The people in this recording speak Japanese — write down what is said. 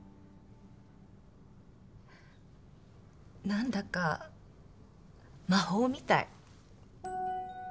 何だか魔法みたい。